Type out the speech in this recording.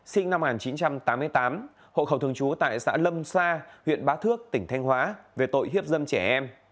sinh năm một nghìn chín trăm tám mươi tám hộ khẩu thường trú tại xã lâm sa huyện bá thước tỉnh thanh hóa về tội hiếp dâm trẻ em